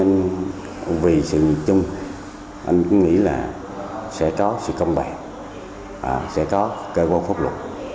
anh cũng nghĩ là sẽ có sự công bản sẽ có cơ quan pháp luật